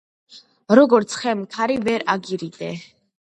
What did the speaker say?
როგორც ხემ ქარი ვერ აგირიდე